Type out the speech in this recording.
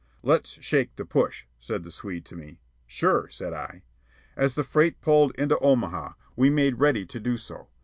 "Let's shake the push," said the Swede to me. "Sure," said I. As the freight pulled into Omaha, we made ready to do so.